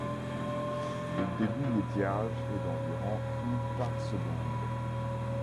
Le débit d'étiage est d'environ cube par seconde.